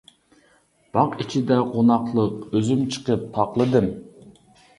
باغ ئىچىدە قوناقلىق، ئۆزۈم چىقىپ تاقلىدىم.